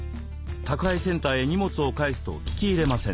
宅配センターへ荷物を返す」と聞き入れません。